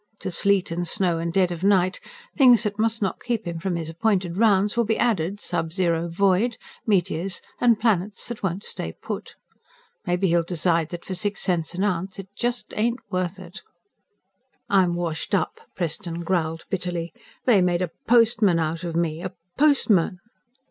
To "sleet and snow and dead of night" things that must not keep him from his appointed rounds will be added, sub zero void, meteors, and planets that won't stay put. Maybe he'll decide that for six cents an ounce it just ain't worth it._ "I'm washed up," Preston growled bitterly. "They made a postman out of me. Me a postman!"